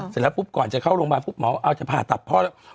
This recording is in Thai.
เสร็จแล้วก่อนจะเข้าโรงบาลบอกว่าพ่อจะผ่าตัพ